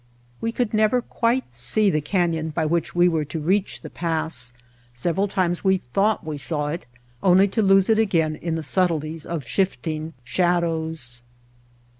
We could never quite see the canyon by which we were to reach the pass; several times we thought we saw it, only to lose it again in the subtleties of shifting shadows.